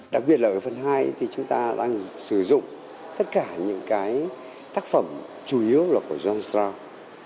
đặc biệt là ở phần hai thì chúng ta đang sử dụng tất cả những cái tác phẩm chủ yếu là của johns slow